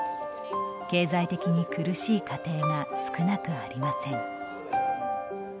経済的に苦しい家庭が少なくありません。